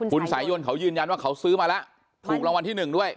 คุณสายยนเขายืนยันว่าเขาซื้อมาแล้วถูกรางวัลที่๑ด้วย